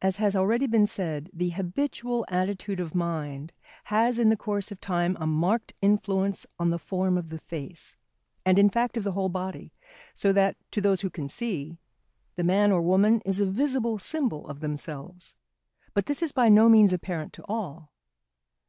As has already been said, the habitual attitude of mind has in the course of time a marked influence on the form of the face, and in fact of the whole body, so that to those who can see the man or woman is a visible symbol of themselves. But this is by no means apparent to all.